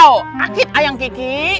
adau adau anjir ayang kiki